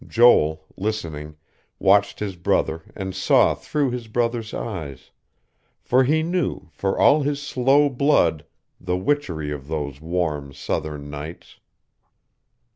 Joel, listening, watched his brother and saw through his brother's eyes; for he knew, for all his slow blood, the witchery of those warm, southern nights.